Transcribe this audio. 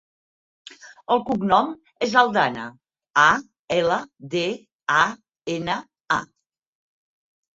El cognom és Aldana: a, ela, de, a, ena, a.